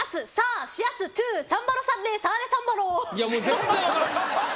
全然分からん。